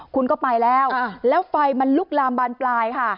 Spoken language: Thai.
คุณก็ไปแล้วแล้วไฟมันลุกลามบานปลายค่ะ